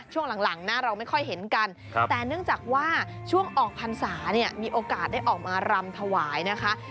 ช่วงหลังนะเราไม่ค่อยเห็นกันแต่เนื่องจากว่าช่วงออกพรรษาเนี่ยมีโอกาสได้ออกมารำถวายนะคะ